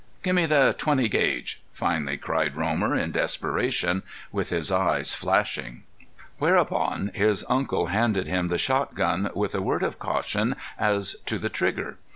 "Gimme the .20 gauge," finally cried Romer, in desperation, with his eyes flashing. Whereupon his uncle handed him the shotgun, with a word of caution as to the trigger.